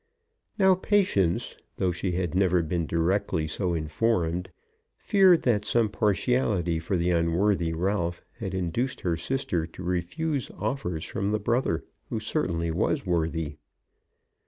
Now, Patience, though she had never been directly so informed, feared that some partiality for the unworthy Ralph had induced her sister to refuse offers from the brother, who certainly was worthy.